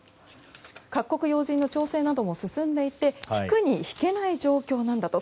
各国要人の調整なども進んでいて引くに引けない状況なんだと。